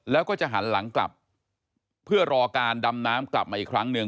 แล้วก็จะหันหลังกลับเพื่อรอการดำน้ำกลับมาอีกครั้งหนึ่ง